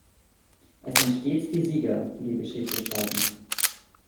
Es sind stets die Sieger, die die Geschichte schreiben.